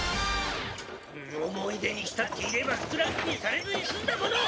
思い出に浸っていればスクラップにされずに済んだものを！